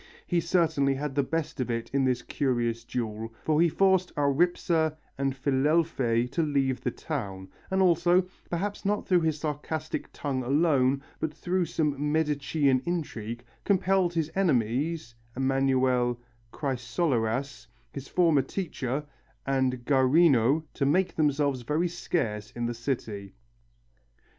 He certainly had the best of it in this curious duel, for he forced Aurispa and Filelfe to leave the town, and also, perhaps not through his sarcastic tongue alone but through some Medicean intrigue, compelled his enemies, Emanuel Chrysoloras, his former teacher, and Guarino to make themselves very scarce in the city.